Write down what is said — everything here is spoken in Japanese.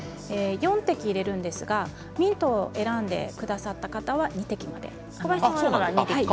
４滴入れるんですがミントを選んでくださった方は２滴まで。